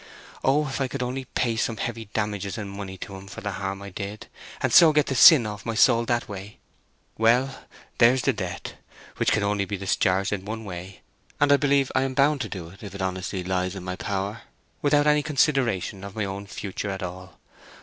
Oh if I could only pay some heavy damages in money to him for the harm I did, and so get the sin off my soul that way!... Well, there's the debt, which can only be discharged in one way, and I believe I am bound to do it if it honestly lies in my power, without any consideration of my own future at all.